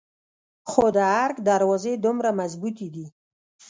خو د ارګ دروازې دومره مظبوتې دي.